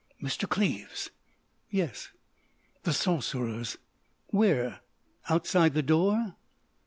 "Mr. Cleves!" "Yes?" "The Sorcerers!" "Where? Outside the door?"